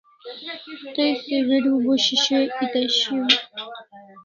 Tay se video bo shishoyak eta shiaw